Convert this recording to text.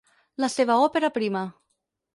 La seva òpera prima.